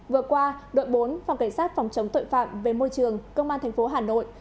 vừa qua đội bốn phòng cảnh sát phòng chống tội phạm về môi trường công an tp hcm